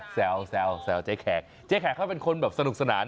แซวเจ๊แขกเจ๊แขกเขาเป็นคนแบบสนุกสนาน